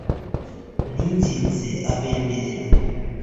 ninginze abemera